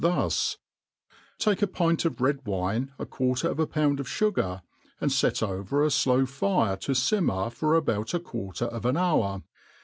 thus :. take a pint of red w\sie^ 9 quarter of a pound of fugar, and fet over a flow fire to fim mer for about a qu^irter of an hour.